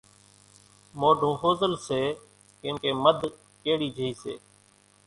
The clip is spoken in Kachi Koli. مونڍون ۿوزل سي ڪيمڪيَ مڌ ڪيڙِي جھئِي سي۔